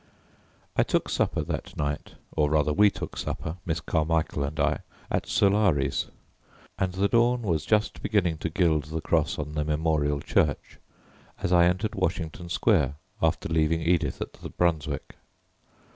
I took supper that night, or rather we took supper, Miss Carmichel and I, at Solari's, and the dawn was just beginning to gild the cross on the Memorial Church as I entered Washington Square after leaving Edith at the Brunswick.